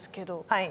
はい。